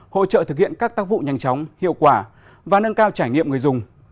hỗ trợ thực hiện các tác vụ nhanh chóng hiệu quả và nâng cao trải nghiệm người dùng